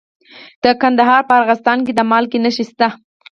د کندهار په ارغستان کې د مالګې نښې شته.